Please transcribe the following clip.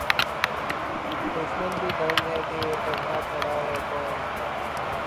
دُشمن بھی دنگ ہے کہ یہ تنہا کھڑا ہے کون